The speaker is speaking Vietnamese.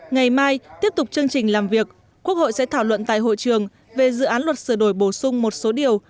ngày mai tiếp tục chương trình làm việc quốc hội sẽ thảo luận tại hội trường về dự án luật sửa đổi bổ sung một số điều